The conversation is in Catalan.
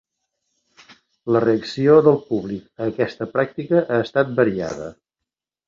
La reacció del públic a aquesta pràctica ha estat variada.